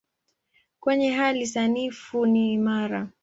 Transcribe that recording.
Kwenye hali sanifu ni imara.